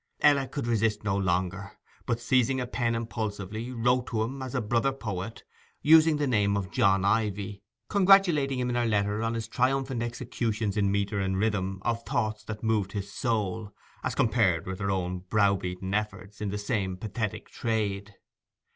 Ella could resist no longer, but seizing a pen impulsively, wrote to him as a brother poet, using the name of John Ivy, congratulating him in her letter on his triumphant executions in metre and rhythm of thoughts that moved his soul, as compared with her own brow beaten efforts in the same pathetic trade.